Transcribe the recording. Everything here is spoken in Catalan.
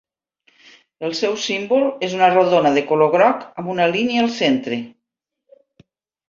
El seu símbol és una rodona de color groc amb una línia al centre.